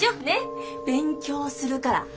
ねっ勉強するから。